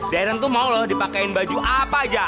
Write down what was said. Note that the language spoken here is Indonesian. deren tuh mau lho dipakein baju apa aja